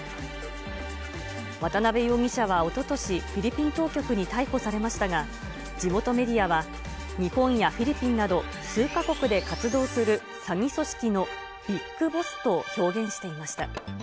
渡辺容疑者はおととし、フィリピン当局に逮捕されましたが、地元メディアは、日本やフィリピンなど数か国で活動する詐欺組織のビッグボスと表現していました。